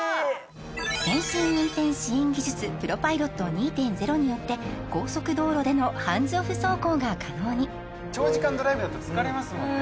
先進運転支援技術プロパイロット２．０によって高速道路でのハンズオフ走行が可能に長時間ドライブだと疲れますもんね・